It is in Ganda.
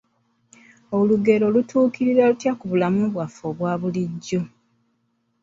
Olugero lutuukira lutya ku bulamu bwaffe obwa bulijjo?